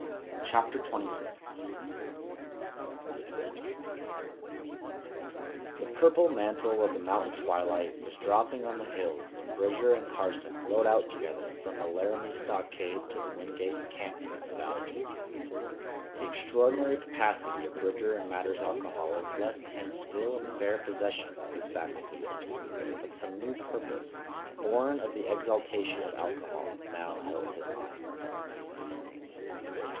CHAPTER XXVI THE FIRST GOLD The purple mantle of the mountain twilight was dropping on the hills when Bridger and Carson rode out together from the Laramie stockade to the Wingate encampment in the valley. The extraordinary capacity of Bridger in matters alcoholic left him still in fair possession of his faculties; but some new purpose, born of the exaltation of alcohol, now held his mind.